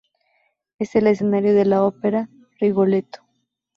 Es el escenario de la ópera "Rigoletto".